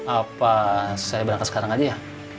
apa saya berangkat sekarang aja ya